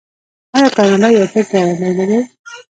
آیا کاناډا یو ښه ګاونډی نه دی؟